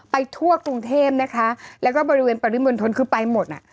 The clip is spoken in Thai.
ทั่วกรุงเทพนะคะแล้วก็บริเวณปริมณฑลคือไปหมดอ่ะ